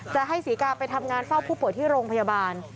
จะให้ศรีกาไปทำงานเฝ้าผู้ป่วยที่โรงพยาบาล